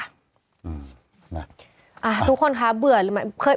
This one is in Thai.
ทุกคนคะเบื่อหรือไม่